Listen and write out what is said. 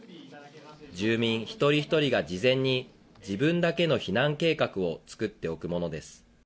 住民一人一人が事前に自分だけの避難計画を作っておくものです。